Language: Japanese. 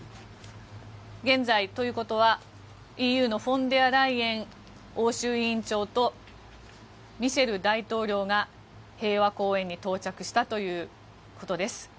現在、ということはＥＵのフォンデアライエン欧州委員長とミシェル大統領が平和公園に到着したということです。